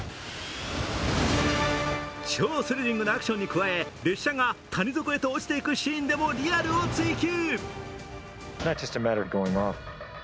超スリリングなアクションに加え、列車が谷底へと落ちていくシーンでもリアルを追求。